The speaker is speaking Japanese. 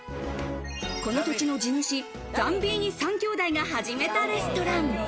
この都市の地主・ザンビーニ３兄弟が始めたレストラン。